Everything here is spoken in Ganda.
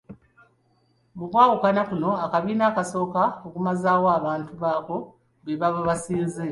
Mu kuwakana kuno, akabiina akasooka okumazaawo abantu baako be baba basinze.